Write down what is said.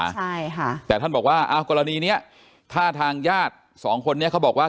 ใช่ค่ะแต่ท่านบอกว่าอ้าวกรณีเนี้ยถ้าทางญาติสองคนนี้เขาบอกว่า